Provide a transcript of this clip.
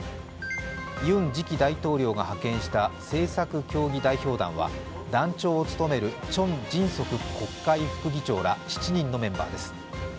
ユン次期大統領が派遣した政策協議代表団は団長を務めるチョン・ジンソク国会副議長ら７人のメンバーです。